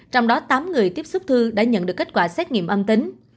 trong đó tám người tiếp xúc thư đã nhận được kết quả xét nghiệm âm tính